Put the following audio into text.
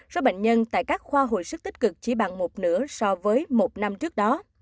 số bệnh nhân tại các khoa hồi sức tích cực chỉ bằng một nửa so với một năm trước đó